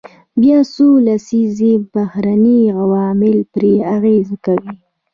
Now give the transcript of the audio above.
بیا څو لسیزې بهرني عوامل پرې اغیز کوي.